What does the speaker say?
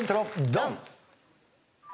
ドン！